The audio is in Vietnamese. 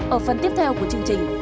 ở phần tiếp theo của chương trình